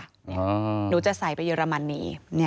หนูจะใส่ไปเยอรมนี